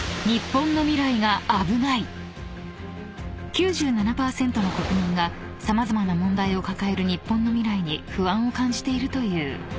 ［９７％の国民が様々な問題を抱える日本の未来に不安を感じているという］